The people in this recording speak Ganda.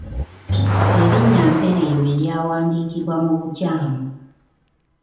Erinnya ‘Mpereerwe’ lyawandiikibwa mu bukyamu.